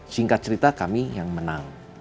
singkat cerita kami yang menang